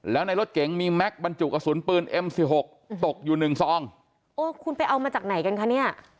แล้วในรถเก๋งมีแม็กซ์บรรจุกระสุนปืนเอ็มสิบหกตกอยู่หนึ่งซองโอ้คุณไปเอามาจากไหนกันคะเนี่ย